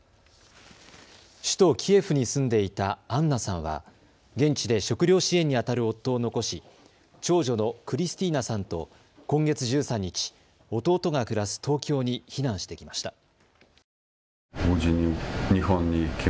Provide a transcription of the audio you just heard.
首都キエフに住んでいたアンナさんは現地で食料支援にあたる夫を残し、長女のクリスティーナさんと今月１３日、弟が暮らす東京に避難してきました。